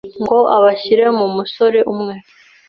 ngo abashyire mumusore umwe